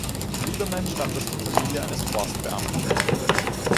Liberman stammt aus der Familie eines Forstbeamten.